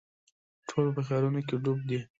ټول په خیالونو کې ډوب وو.